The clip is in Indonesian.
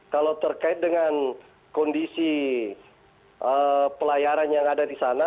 kalau terkait dengan kondisi pelayaran yang ada di sana